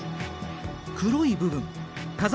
黒い部分火山